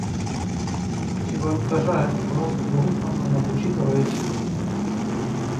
জীবদ্দশায় ফ্রস্ট বহু সম্মানে ভূষিত হয়েছিলেন।